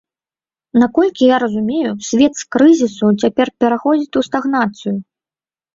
Наколькі я разумею, свет з крызісу цяпер пераходзіць у стагнацыю.